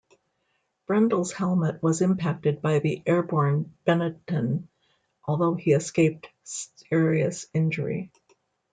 Brundle's helmet was impacted by the airborne Benetton although he escaped serious injury.